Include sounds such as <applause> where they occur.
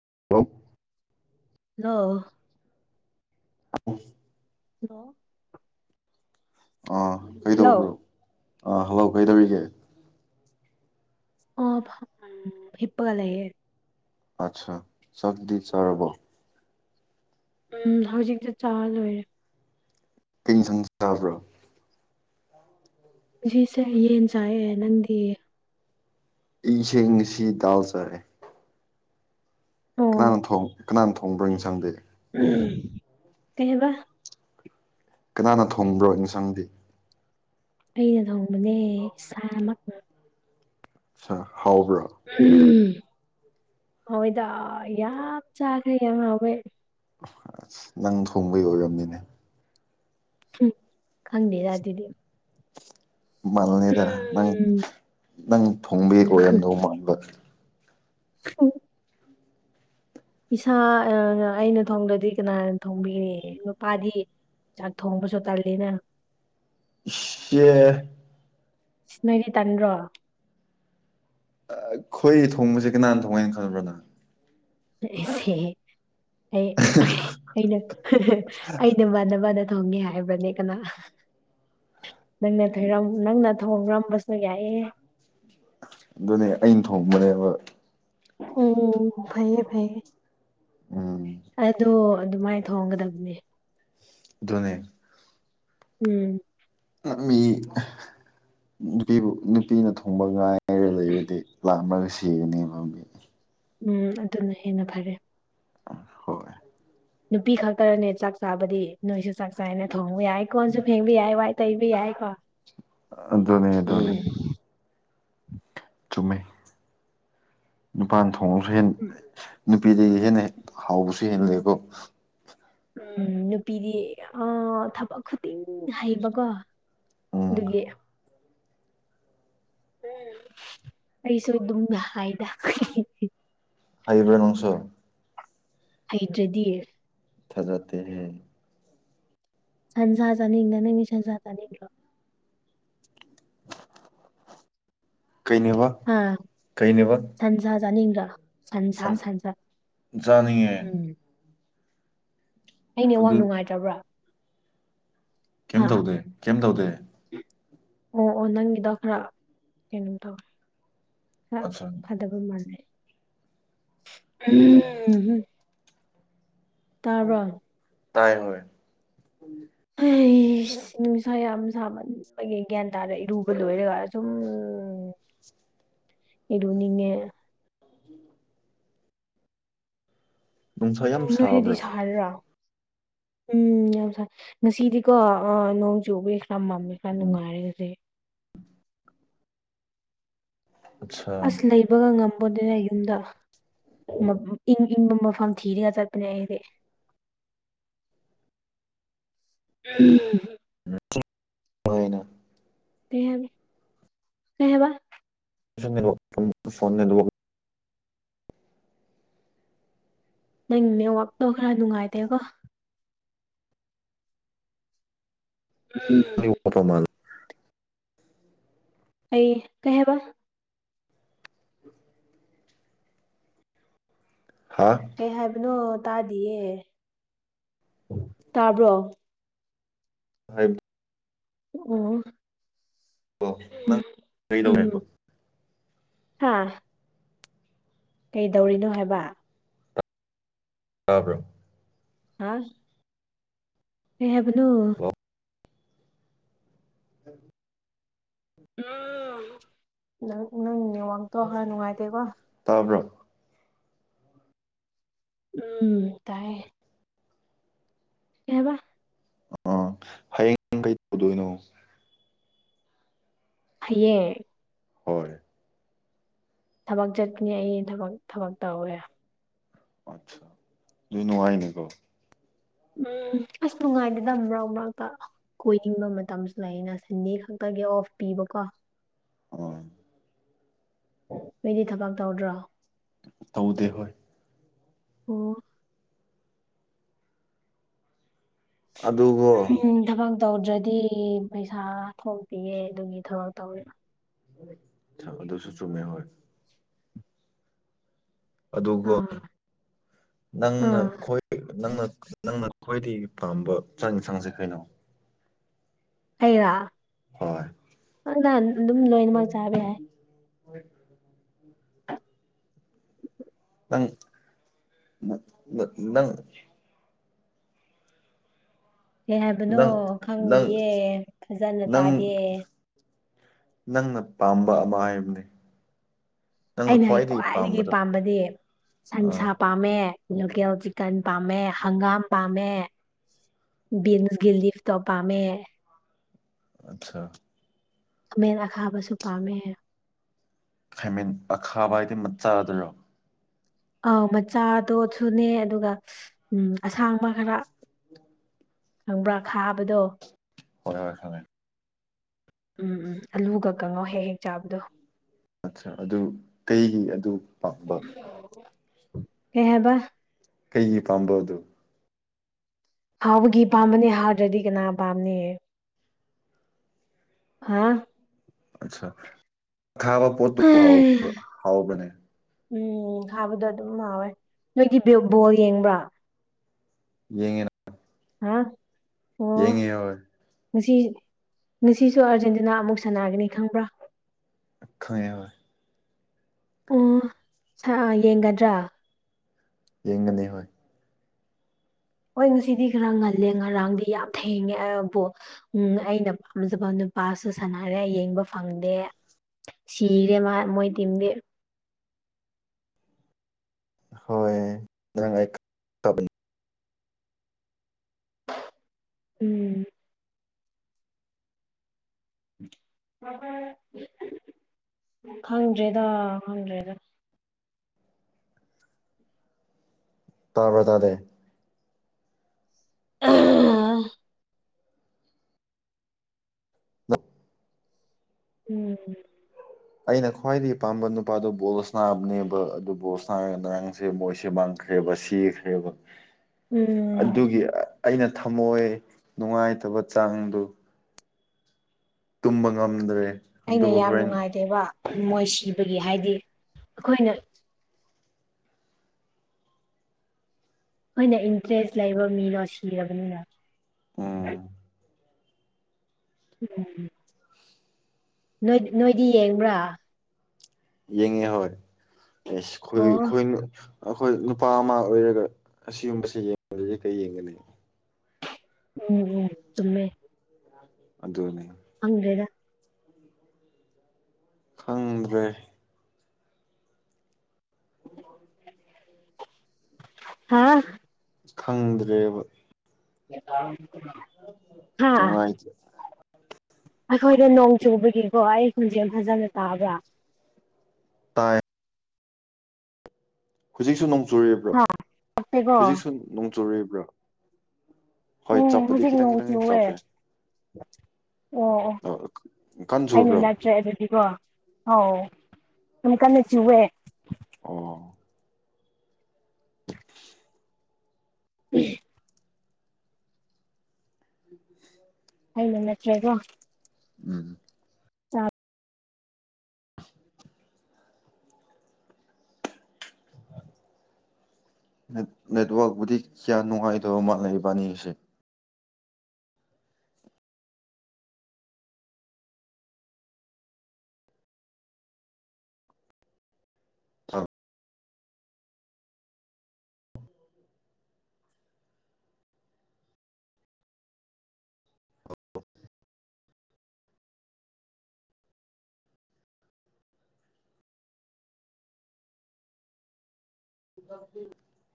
<unintelligible> ꯂꯣ <unintelligible> hello ꯑꯥ ꯀꯩꯗꯧꯕ꯭ꯔꯣ hello ꯑꯥ ꯍꯜꯂꯣ ꯀꯩꯗꯧꯔꯤꯒꯦ ꯑ ꯐ ꯍꯤꯞꯄꯒ ꯂꯩꯌꯦ ꯑꯆꯥ ꯆꯥꯛꯗꯤ ꯆꯥꯔꯕꯣ ꯎꯝ ꯍꯧꯖꯤꯛꯗ ꯆꯥ ꯂꯣꯏꯔꯦ ꯀꯩ ꯁꯥꯡ ꯆꯥꯕ꯭ꯔꯣ ꯉꯁꯤꯁꯦ ꯌꯦꯟ ꯆꯥꯏꯌꯦ ꯅꯪꯗꯤ ꯑꯩꯁꯦ ꯉꯁꯤ ꯗꯥꯜ ꯆꯥꯔꯦ ꯑꯣ ꯀꯅꯥꯅ ꯊꯣꯡ ꯀꯅꯥꯅ ꯊꯣꯡꯕ꯭ꯔꯣ ꯏꯟꯁꯥꯡꯗꯤ <unintelligible> ꯀꯩ ꯍꯥꯏꯕ ꯀꯅꯥꯅ ꯊꯣꯡꯕ꯭ꯔꯣ ꯏꯟꯁꯥꯡꯗꯤ ꯑꯩꯅ ꯊꯣꯡꯕꯅꯦ ꯏꯁꯥꯃꯛꯅ ꯁꯥ ꯍꯥꯎꯕ꯭ꯔꯣ ꯑꯍꯝ ꯍꯥꯎꯋꯦꯗ ꯌꯥꯝ ꯆꯈ꯭ꯔꯦ ꯌꯥꯝ ꯍꯥꯎꯋꯦ ꯑꯁ ꯅꯪ ꯊꯣꯡꯕꯩ ꯑꯣꯏꯔꯝꯅꯤꯅꯦ ꯍꯝ ꯈꯪꯗꯦꯗ ꯑꯗꯨꯗꯤ ꯃꯥꯜꯂꯦꯗ ꯅꯪ ꯅꯪ ꯊꯣꯡꯕꯩ ꯑꯣꯏꯔꯝꯗꯧ ꯃꯥꯟꯕ <unintelligible> ꯏꯁꯥ ꯑꯥ ꯑꯩꯅ ꯊꯣꯡꯗꯗꯤ ꯀꯅꯥꯅ ꯊꯣꯡꯕꯤꯅꯤ ꯅꯨꯄꯥꯗꯤ ꯆꯥꯛ ꯊꯣꯡꯕꯁꯨ ꯇꯜꯂꯤꯅ ꯏꯁ ꯌꯦ ꯅꯣꯏꯗꯤ ꯇꯟꯗ꯭ꯔꯣ ꯑꯈꯣꯏ ꯊꯣꯡꯕꯁꯦ ꯀꯅꯥꯅ ꯊꯣꯡꯉꯦ ꯈꯟꯕ꯭ꯔꯣ ꯅꯪ <unintelligible> ꯑꯩꯅ ꯑꯩꯅ ꯃꯥꯟꯅꯕꯅ ꯊꯣꯡꯉꯦ ꯍꯥꯏꯕꯅꯦ ꯀꯅꯥ ꯅꯪꯅ ꯊꯣꯏꯔꯝ ꯅꯪꯅ ꯊꯣꯡꯔꯝꯕꯁꯨ ꯌꯥꯏꯌꯦ ꯑꯗꯨꯅꯦ ꯑꯩꯟ ꯊꯣꯡꯕꯅꯦꯕ ꯎꯝ ꯐꯩꯌꯦ ꯐꯌꯦ ꯎꯝ ꯑꯗꯣ ꯑꯗꯨꯃꯥꯏ ꯊꯣꯡꯒꯗ꯭ꯕꯅꯤ ꯗꯨꯅꯦ ꯎꯝ ꯃꯤ ꯅꯨꯄꯤꯕꯨ ꯅꯨꯄꯤꯅ ꯊꯣꯡꯕ ꯉꯥꯏꯔ ꯂꯩꯔꯗꯤ <unintelligible> ꯁꯤꯒꯅꯤ ꯃꯕꯤ ꯎꯝ ꯑꯗꯨꯅ ꯍꯦꯟꯅ ꯐꯔꯦ ꯍꯣꯏ ꯅꯨꯄꯤ ꯈꯛꯇꯔꯅꯦ ꯆꯥꯛ ꯆꯥꯕꯗꯤ ꯅꯣꯏꯁꯨ ꯆꯥꯛ ꯆꯥꯏꯌꯦꯅ ꯊꯣꯡ ꯕꯌꯥꯏ ꯀꯣꯟꯁꯨ ꯐꯦꯡꯕ ꯌꯥꯏ ꯋꯥꯏ ꯇꯩꯕ ꯌꯥꯏ ꯀꯣ ꯑꯗꯨꯅꯦ ꯑꯗꯨꯅꯦ ꯎꯝ ꯆꯨꯝꯃꯦ ꯅꯨꯄꯥꯅ ꯊꯣꯡꯉꯁꯨ ꯍꯦꯟ ꯅꯨꯄꯤꯗꯒꯤ ꯍꯦꯟꯅ ꯍꯥꯎꯕꯁꯨ ꯍꯦꯟꯂꯦꯀꯣ ꯎꯝ ꯅꯨꯄꯤꯗꯤ ꯌꯥ ꯊꯕꯛ ꯈꯨꯗꯤꯡ ꯍꯩꯕꯀꯣ ꯎꯝ ꯗꯨꯒꯤ ꯎꯝ ꯑꯩꯁꯨ ꯑꯗꯨꯝꯅ ꯍꯥꯏꯗ ꯍꯩꯕ꯭ꯔ ꯅꯪꯁꯨ ꯍꯩꯇ꯭ꯔꯗꯤ ꯊꯥꯖꯗꯦꯍꯦ ꯁꯟꯁꯥ ꯆꯥꯅꯤꯡꯗ ꯅꯪꯗꯤ ꯁꯟꯁꯥ ꯆꯥꯅꯤꯡꯗ꯭ꯔꯣ ꯀꯩꯅꯦꯕ ꯍꯥ ꯀꯩꯅꯦꯕ ꯁꯟꯁꯥ ꯆꯥꯅꯤꯡꯗ꯭ꯔꯥ ꯁꯟꯁꯥ ꯁꯟ ꯁꯟꯁꯥ ꯆꯥꯅꯤꯡꯉꯦ ꯎꯝ ꯑꯩ ꯑꯗꯨ ꯅꯦꯠꯋꯥꯔꯛ ꯅꯨꯡꯉꯥꯏꯇꯕ꯭ꯔꯥ ꯀꯦꯝ ꯍꯥ ꯇꯧꯗꯦ ꯀꯦꯝ ꯇꯧꯗꯦ ꯑꯣ ꯑꯣ ꯅꯪꯒꯤꯗꯣ ꯈꯔ ꯀꯩꯅꯣꯝ ꯇꯧꯋꯦ ꯍꯥ ꯑꯠꯆꯥ ꯐꯥꯗꯕ ꯃꯥꯂꯦ ꯎꯝ ꯑꯣ ꯍꯝ ꯇꯥꯕ꯭ꯔꯣ ꯇꯥꯏꯌꯦ ꯍꯣꯏ <inaudible> ꯏ꯭ꯁ ꯅꯨꯡꯁꯥ ꯌꯥꯝ ꯁꯥꯃꯟꯕꯒꯤ ꯒ꯭ꯌꯥꯟ ꯇꯥꯔꯦ ꯏꯔꯨꯕ ꯂꯣꯏꯔꯒ ꯑꯗꯨꯝ <inaudible> ꯏꯔꯨꯅꯤꯡꯉꯦ ꯅꯨꯡꯁꯥ ꯌꯥꯝ ꯎꯝ ꯅꯣꯏꯗꯗꯤ ꯁꯥꯕ꯭ꯔꯣ ꯁꯥꯔꯤꯔꯣ ꯎꯝ ꯌꯥꯝ ꯁꯥꯏ ꯉꯁꯤꯗꯤꯀꯣ ꯑꯥ ꯅꯣꯡ ꯆꯨꯕꯩ <unintelligible> ꯈꯔ ꯎꯝ ꯅꯨꯡꯉꯥꯏꯔꯦ ꯍꯨꯖꯤꯛ ꯑꯠꯁꯥ ꯑꯁ ꯂꯩꯕꯒ ꯉꯝ <unintelligible> ꯌꯨꯝꯗ ꯏꯪ ꯏꯪꯕ ꯃꯐꯝ ꯊꯤꯔꯒ ꯆꯠꯄꯅꯦ ꯑꯩꯗꯤ <inaudible> <unintelligible> <unintelligible> <unintelligible> ꯀꯩ ꯍꯥꯏꯕ <unintelligible> ꯐꯣꯟꯅ ꯂꯨꯑꯣ ꯅꯪ ꯅꯦꯋꯥꯛꯇꯣ ꯈꯔ ꯅꯨꯡꯉꯥꯏꯇꯦꯀꯣ ꯅꯪꯒꯤ ꯋꯥꯠꯄ <unintelligible> ꯃꯥꯜꯂꯦ ꯑꯩ ꯀꯩ ꯍꯥꯏꯕ ꯍꯥ ꯀꯩ ꯍꯥꯏꯕꯅꯣ ꯇꯥꯗꯤꯌꯦ ꯇꯥꯕ꯭ꯔꯣ <unintelligible> ꯑꯣ ꯎꯝ ꯀꯩꯗꯧꯋꯦꯕ ꯍꯥꯥ ꯀꯩꯗꯧꯔꯤꯅꯣ ꯍꯥꯏꯕ ꯇꯥꯕ꯭ꯔꯣ ꯍꯥ ꯀꯩ ꯍꯥꯏꯕꯅꯣ ꯍꯜꯂꯣ <unintelligible> ꯅꯪ ꯅꯦꯋꯥꯛꯇꯣ ꯈꯔ ꯅꯨꯡꯉꯥꯏꯇꯦꯀꯣ ꯇꯥꯕ꯭ꯔꯣ ꯎꯝ ꯇꯥꯏꯌꯦ ꯀꯩ ꯍꯥꯏꯕ ꯑꫭ ꯍꯌꯦꯡ ꯀꯩ ꯇꯧꯗꯣꯏꯅꯣ ꯍꯌꯦꯡ ꯍꯣꯏ ꯊꯕꯛ ꯆꯠꯀꯅꯤ ꯑꯩ ꯊꯕꯛ ꯊꯕꯛ ꯇꯧꯋꯦ <unintelligible> ꯅꯨꯡꯉꯥꯏꯅꯤ ꯀꯣ ꯎꯝ ꯑꯁ ꯅꯨꯡꯉꯥꯏꯗꯦꯗ ꯃꯔꯛ ꯃꯔꯛꯇ ꯀꯣꯏꯅꯤꯡꯕ ꯃꯇꯝꯁꯨ ꯂꯩꯅ ꯁꯟꯗꯦ ꯈꯛꯇꯒꯤ ꯑꯣꯐ ꯄꯤꯕꯀꯣ ꯑꯣ ꯅꯣꯏꯗꯤ ꯊꯕꯛ ꯇꯧꯗ꯭ꯔꯣ ꯇꯧꯗꯦ ꯍꯣꯏ ꯑꯣ ꯑꯗꯨꯒꯣ ꯎꯝ ꯊꯕꯛ ꯇꯧꯗ꯭ꯔꯗꯤ ꯄꯩꯁꯥ ꯊꯣꯛꯇꯤꯌꯦ ꯑꯗꯨꯒꯤ ꯊꯕꯛ ꯇꯧꯔꯤꯕ ꯑꯗꯨꯁꯨ ꯆꯨꯝꯃꯦ ꯍꯣꯏ ꯑꯗꯨꯒꯣ ꯑꯥ ꯅꯪꯅ ꯑꯥ ꯈ꯭ꯋꯥꯏ ꯅꯪꯅ ꯅꯪꯅ ꯈ꯭ꯋꯥꯏꯗꯒꯤ ꯄꯥꯝꯕ ꯆꯥꯛ ꯏꯟꯁꯥꯡꯁꯦ ꯀꯩꯅꯣ ꯑꯩꯔꯣ ꯍꯣꯏ <unintelligible> ꯑꯗꯨꯝ ꯂꯣꯏꯅꯃꯛ ꯆꯥꯕ ꯌꯥꯏ <inaudible> ꯅꯪ ꯅꯪ ꯀꯩ ꯍꯥꯏꯕꯅꯣ ꯅꯪ ꯈꯪꯗꯤꯌꯦ ꯐꯖꯅ ꯅꯪ ꯇꯥꯗꯦ ꯅꯪꯅ ꯄꯥꯝꯕ ꯑꯃ ꯍꯥꯏꯕꯅꯦ ꯅꯪꯅ ꯑꯩꯅ ꯈ꯭ꯋꯥꯏꯗꯒꯤ ꯄꯥꯝꯕꯗꯣ ꯄꯥꯝꯕꯗꯤ ꯑꯥ ꯁꯟꯁꯥ ꯄꯥꯝꯃꯦ ꯂꯣꯀꯦꯜ ꯆꯤꯛꯀꯟ ꯄꯥꯝꯃꯦ ꯍꯪꯒꯥꯝ ꯄꯥꯝꯃꯦ ꯕꯤꯟꯁ ꯒꯤ ꯂꯤꯐ ꯇꯣ ꯄꯥꯝꯃꯦ ꯑꯥꯠꯁꯥ ꯈꯥꯃꯦꯜ ꯑꯈꯥꯕꯁꯨ ꯄꯥꯝꯃꯦꯑꯣ ꯈꯩꯃꯦꯟ ꯑꯈꯥꯕ ꯍꯥꯏꯗꯤ ꯃꯥꯆꯥꯥꯗꯨꯔꯣ ꯑꯥꯎ ꯃꯆꯥꯗꯣ ꯖꯨꯅꯦ ꯑꯗꯨꯒ ꯎꯝ ꯑꯁꯥꯡꯕ ꯍꯥꯌꯕ ꯈꯪꯕ꯭ꯔꯥ ꯈꯥꯕꯗꯣ ꯍꯣꯏꯍꯣꯢ ꯎꯝ ꯎꯝ ꯑꯂꯨꯒꯛ ꯀꯥꯡꯉꯧ ꯍꯦꯛ ꯍꯦꯛ ꯆꯥꯕꯗꯣ ꯑꯊ꯭ꯔ ꯑꯗꯨ ꯀꯩꯒꯤ ꯑꯗꯨ ꯄꯥꯝꯕ ꯀꯩꯍꯥꯌꯕ ꯀꯩꯒꯤ ꯄꯥꯝꯕ꯭ꯔꯣ ꯑꯗꯨ ꯍꯥꯎꯕꯒꯤ ꯄꯥꯝꯕꯅꯦ ꯍꯥꯗ꯭ꯔꯗꯤ ꯀꯅꯥ ꯄꯥꯝꯅꯤꯢ ꯍꯥ ꯑꯥꯠꯁꯥ ꯈꯥꯕ ꯄꯣꯠꯇꯨ ꯕꯨ ꯍꯥꯎ ꯍꯥꯎꯕꯅꯦ ꯎꯪ ꯈꯥꯕꯗꯣ ꯑꯗꯨꯝ ꯍꯥꯎꯋꯦ ꯅꯣꯏꯗꯤꯒꯤꯕ ꯕꯣꯜ ꯌꯦꯡꯕ꯭ꯔꯥ ꯌꯦꯡꯉꯤꯔ ꯍꯥ ꯑꯣ UNINTELLIGIBLE ꯉꯁꯤ ꯉꯁꯤꯁꯨ ꯑꯥꯔꯖꯦꯟꯇꯤꯅꯥ ꯑꯃꯨꯛ ꯁꯥꯟꯅꯔꯒꯅꯤ ꯈꯪꯕ꯭ꯔꯥ ꯈꯪꯉꯦ ꯍꯣꯏꯌꯦ ꯎꯪ ꯁꯥꯔ ꯌꯦꯡꯒꯗ꯭ꯔꯥ ꯌꯦꯡꯒꯅꯤ ꯍꯣꯏ ꯍꯣꯏ ꯉꯁꯤꯗꯤ ꯈꯔꯥ ꯉꯜꯂꯦ ꯉꯔꯥꯡꯗꯤ ꯌꯥꯝ ꯊꯦꯡꯉꯦ ꯕ ꯕꯨ ꯎꯝ ꯑꯩꯅ ꯄꯥꯝꯖꯕ ꯅꯨ ꯄꯥꯁꯨ ꯁꯥꯟꯅꯔꯦ ꯌꯦꯡꯕ ꯐꯪꯗꯦ ꯁꯤꯔꯦ ꯃꯥ ꯃꯣꯏ ꯇꯤꯝꯗꯤ ꯍꯣꯏ ꯅꯪ ꯑꯩ ꯇꯕꯅꯤ ꯎꯪ INAUDIBLE ꯈꯪꯗ꯭ꯔꯦꯗꯥ- ꯈꯪꯗ꯭ꯔꯦꯗ ꯇꯥꯕ꯭ꯔꯥ -ꯇꯥꯗꯦ INAUDIBLE ꯎꯝ ꯑꯩꯅ ꯈ꯭ꯋꯥꯏꯗꯒꯤꯩ ꯄꯥꯝꯕ ꯅꯨꯄꯥꯗꯣ ꯕꯣꯜ ꯁꯅꯕꯅꯦꯕ ꯑꯗꯨ ꯕꯣꯜ ꯁꯅꯔꯒ ꯉꯁꯤ ꯃꯣꯏꯁꯦ ꯃꯥꯡ ꯈ꯭ꯔꯦꯕ ꯁꯤ ꯈ꯭ꯔꯦꯕ ꯎꯝ ꯑꯗꯨꯒꯤ ꯑꯩꯅ ꯊꯝꯃꯣꯏ ꯅꯨꯡꯉꯥꯏꯇꯕ ꯆꯥꯡꯗꯨ ꯇꯨꯝꯕꯉꯝꯗ꯭ꯔꯦ ꯑꯩꯅ ꯌꯥꯝ ꯅꯨꯡꯉꯥꯏꯇꯦꯕꯥ ꯃꯣꯏ ꯁꯤꯕꯒꯤ ꯍꯥꯏꯗꯤ ꯑꯩꯈꯣꯏꯅ ꯈꯣꯏꯅ ꯏꯟꯇ꯭ꯔꯦꯁ ꯂꯩꯕ ꯃꯤꯗꯣ ꯁꯤꯔꯕꯅꯤꯅ ꯎꯝ INAUDIBLE ꯅꯣꯏꯅꯣꯏꯗꯤ ꯌꯦꯡꯕ꯭ꯔꯥ ꯌꯦꯡꯉꯦ ꯑꯍꯣꯏ ꯢꯁ ꯑꯣ ꯈꯣꯏꯅ ꯑꯩꯈꯣꯏ ꯅꯨꯨꯄꯥ ꯑꯃꯥ ꯑꯣꯏꯔꯒ ꯑꯁꯤꯒꯨꯝꯕꯁꯤ ꯌꯦꯡꯗ꯭ꯔꯗꯤ ꯀꯩ ꯌꯦꯡꯒꯅꯤ ꯎꯪ ꯎꯪ ꯆꯨꯝꯃꯦ ꯑꯥꯗꯨꯅꯤ ꯈꯪꯗ꯭ꯔꯦꯗꯥ ꯈꯪ ꯗ꯭ꯔꯦ INAUDIBLE ꯍꯥꯥꯑꯥ ꯈꯪꯗ꯭ꯔꯦꯕ <unintelligible> ꯍꯥ ꯅꯨꯡꯉꯥꯏꯇꯦ ꯑꯩꯈꯣꯏꯗ ꯅꯣꯡ ꯆꯨꯕꯒꯤꯀꯣ ꯑꯩ ꯈꯣꯟꯖꯦꯟ ꯐꯖꯅ ꯇꯥꯕ꯭ꯔꯥ ꯇꯥꯏ ꯍꯧꯖꯤꯛꯁꯨ ꯅꯣꯡ ꯆꯨꯔꯤꯕ꯭ꯔꯥ ꯍꯥ ꯇꯥꯞꯇꯦꯀꯣ ꯍꯧꯖꯤꯛꯁꯨ ꯅꯣꯡ ꯆꯨꯔꯤꯕ꯭ꯔꯥ ꯍꯣꯏ ꯎꯝ ꯆꯞꯄꯗꯤ ꯍꯧꯖꯤꯛ ꯈꯤꯇꯪ ꯅꯣꯡ ꯈꯤꯇꯪ ꯆꯨꯋꯦ ꯆꯞꯄꯦ ꯑꯣ ꯑꯣ ꯀꯟꯅ ꯑꯩꯅ ꯆꯨꯕ꯭ꯔꯣ ꯅꯠꯇ꯭ꯔꯦ ꯑꯗꯨꯗꯤꯀꯣ ꯑꯧ ꯌꯥꯝ ꯀꯟꯅ ꯆꯨꯋꯦ ꯑꯣ ꯎꯝ <unintelligible> ꯑꯩꯅ ꯅꯠꯇ꯭ꯔꯀꯣ ꯎꯝ ꯆꯥꯛ <inaudible> ꯅꯦꯠꯋꯔꯛꯕꯨꯗꯤ ꯀ꯭ꯌꯥ ꯅꯨꯡꯉꯥꯏꯇꯕ ꯃꯥꯜꯂꯦ ꯏꯕꯥꯟꯅꯤꯒꯤꯁꯦ <unintelligible> <unintelligible>